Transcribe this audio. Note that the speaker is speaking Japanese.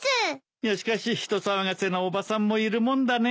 いやしかし人騒がせなおばさんもいるもんだね。